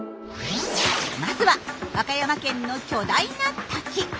まずは和歌山県の巨大な滝。